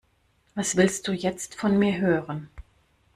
Was willst du jetzt von mir hören?